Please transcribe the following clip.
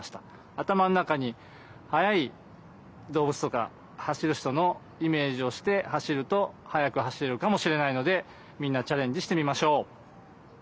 頭の中に速い動物とか走る人のイメージをして走ると速く走れるかもしれないのでみんなチャレンジしてみましょう。